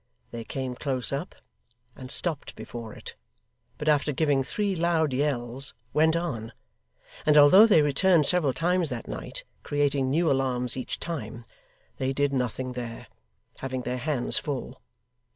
They came close up, and stopped before it; but after giving three loud yells, went on. And although they returned several times that night, creating new alarms each time, they did nothing there; having their hands full.